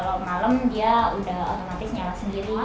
kalau malem dia udah otomatis nyala sendiri